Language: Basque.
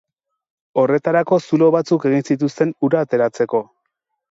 Horretarako zulo batzuk egin zituzten ura ateratzeko.